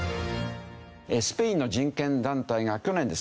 スペインの人権団体が去年ですね